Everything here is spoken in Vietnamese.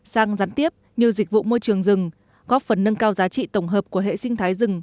sang gián tiếp như dịch vụ môi trường rừng góp phần nâng cao giá trị tổng hợp của hệ sinh thái rừng